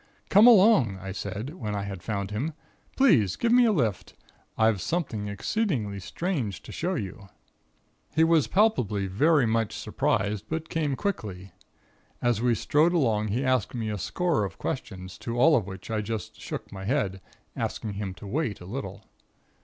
"'Come along,' I said, when I had found him. 'Please give me a lift. I've something exceedingly strange to show you.' "He was palpably very much puzzled, but came quickly. As we strode along he asked me a score of questions, to all of which I just shook my head, asking him to wait a little.